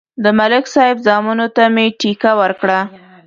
د ملک صاحب زامنو ته مې ټېکه ورکړه